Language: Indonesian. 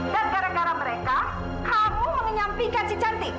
dan gara gara mereka kamu menyampingkan si cantik